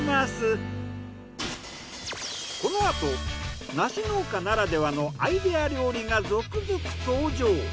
このあと梨農家ならではのアイデア料理が続々登場。